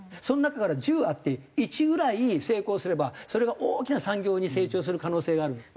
その中から１０あって１ぐらい成功すればそれが大きな産業に成長する可能性がある。